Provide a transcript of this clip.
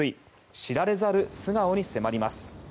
知られざる素顔に迫ります。